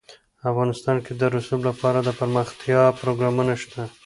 افغانستان کې د رسوب لپاره دپرمختیا پروګرامونه شته.